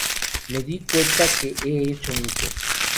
Me di cuenta de que he hecho mucho.